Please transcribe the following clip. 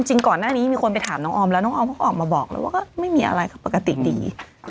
จริงก่อนหน้านี้มีคนไปถามน้องออมแล้วน้องออมเขาก็ออกมาบอกเลยว่าก็ไม่มีอะไรปกติดี